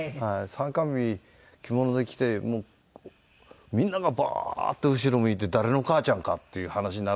参観日着物で来てみんながバーッと後ろ向いて誰の母ちゃんかっていう話になるんですよ。